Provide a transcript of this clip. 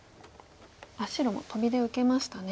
白もトビで受けましたね。